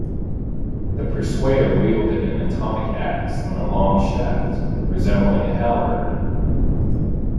The Persuader wielded an "atomic axe" on a long shaft, resembling a halberd.